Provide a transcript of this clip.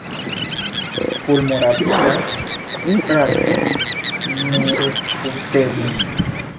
Fulmorapida starto, nerefuteble.